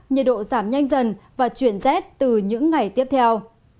nhiệt độ giảm nhanh dần và chuyển rét từ những ngày tiếp theo